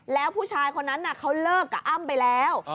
แล้วผู้ชายคนนั้นเขาเลิกกับอ้ำไปแล้ว